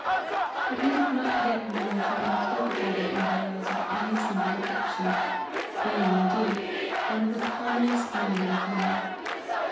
But he did not yet know how incapable that mother was of any simple affection, being, indeed, one of the commonest minded of women.